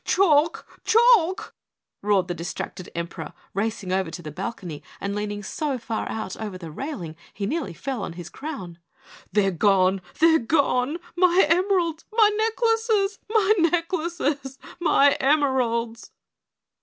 "Chalk! Chalk!" roared the distracted Emperor, racing over to the balcony and leaning so far out over the railing he nearly fell on his crown. "They're gone! They're gone! My emeralds! My necklaces! My necklaces! My emeralds!"